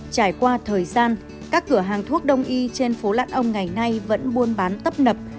trải qua thời gian các cửa hàng thuốc đông y trên phố lạn ông ngày nay vẫn buôn bán tấp nập